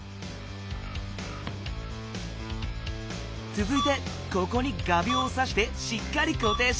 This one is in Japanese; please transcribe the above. つづいてここに画びょうをさしてしっかりこていしよう。